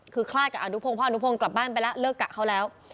คือคลาดกับอนุพงศ์พ่ออนุพงศ์กลับบ้านไปแล้วเลิกกะเขาแล้ว